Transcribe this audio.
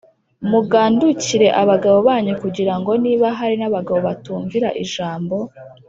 mugandukire abagabo banyu kugira ngo niba hari n abagabo batumvira ijambo